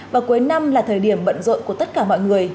và cuối năm là thời điểm bận rộn của tất cả mọi người